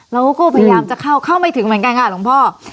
เราก็พยายามจะเข้าเข้าไม่ถึงเหมือนกันค่ะหลวงพ่อ